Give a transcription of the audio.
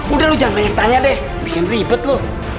udah lu jangan banyak tanya deh bikin ribet lu